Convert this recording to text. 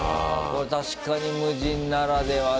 これ確かに無人ならではだ。